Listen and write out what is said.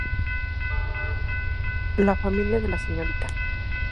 La familia de la Srta.